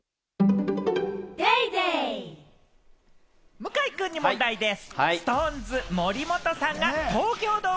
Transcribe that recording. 向井くんに問題でぃす。